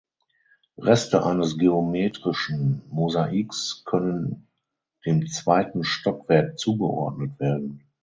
Reste eines geometrischen Mosaiks können dem zweiten Stockwerk zugeordnet werden.